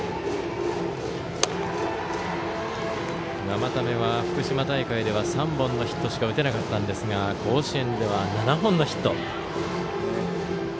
生田目は福島大会では３本のヒットしか打てなかったんですが甲子園では７本のヒット。